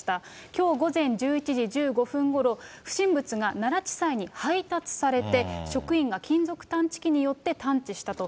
きょう午前１１時１５分ごろ、不審物が奈良地裁に配達されて、職員が金属探知機によって探知したと。